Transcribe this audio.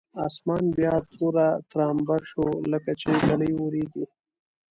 اسمان بیا توره ترامبه شو لکچې ږلۍ اورېږي.